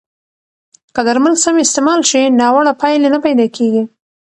که درمل سم استعمال شي، ناوړه پایلې نه پیدا کېږي.